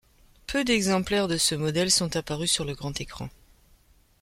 Peu d'exemplaires de ce modèle sont apparus sur le grand écran.